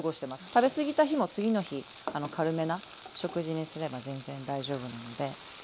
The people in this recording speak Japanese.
食べ過ぎた日も次の日軽めな食事にすれば全然大丈夫なので。